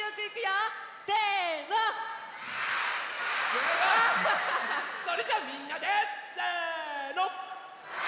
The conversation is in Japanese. すごい！それじゃあみんなでせの！